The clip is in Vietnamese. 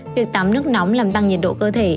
việc tắm nước nóng làm tăng nhiệt độ cơ thể